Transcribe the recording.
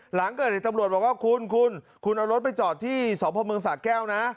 หลังก็จะได้จำรวจบอกว่าคุณคุณคุณเอารถไปจอดที่สวพพลเมืองสาแก้วนะ